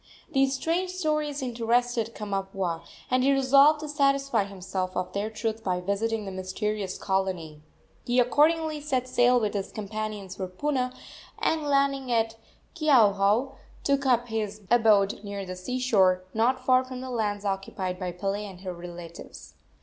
These strange stories interested Kamapuaa, and he resolved to satisfy himself of their truth by visiting the mysterious colony. He accordingly set sail with his companions for Puna, and, landing at Keauhou, took up his abode near the sea shore, not far from the lands occupied by Pele and her relatives.